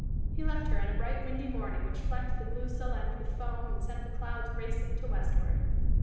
He left her on a bright, windy morning which flecked the blue Solent with foam and sent the clouds racing to westward.